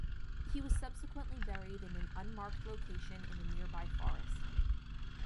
He was subsequently buried in an unmarked location in a nearby forest.